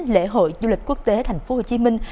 lễ hội du lịch quốc tế thành phố hồ chí minh